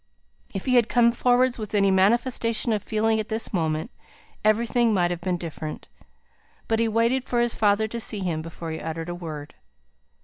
If he had come forward with any manifestation of feeling at this moment, everything might have been different. But he waited for his father to see him before he uttered a word.